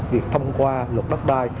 việc thông qua luật đắc đai